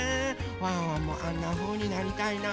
ワンワンもあんなふうになりたいな。